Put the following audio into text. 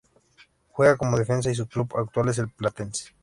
Juega como defensa, y su club actual es el "Platense".